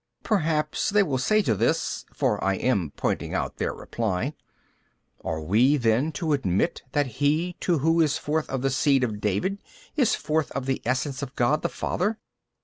B. Perhaps they will say to this (for I am pointing out |270 [their reply]), "Are we then to admit that he too who is forth of the seed of David is forth of the Essence of God the Father?